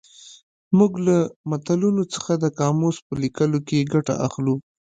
موږ له متلونو څخه د قاموس په لیکلو کې ګټه اخلو